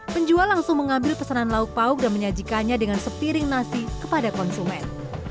penjual langsung mengambil pesanan lauk pauk dan menyajikannya dengan sepiring nasi kepada konsumen